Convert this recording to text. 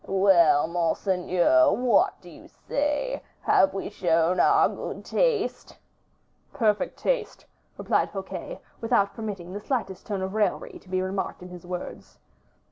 "Well, monseigneur, what do your eyes say? Have we shown our good taste?" "Perfect taste," replied Fouquet, without permitting the slightest tone of raillery to be remarked in his words.